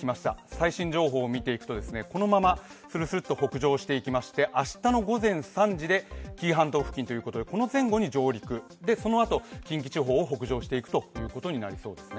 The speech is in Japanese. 最新情報を見ていくとこのままするするっと北上していきまして明日の午前３時で紀伊半島付近ということで、この前後に上陸、そのあと近畿地方を北上していくことになりそうですね。